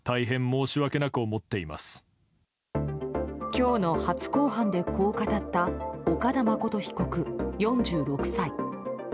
今日の初公判でこう語った岡田誠被告、４６歳。